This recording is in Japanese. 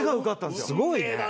すごいね！